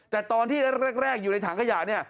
แต่ตอนที่แรกอยู่ในถังขยะเนี่ย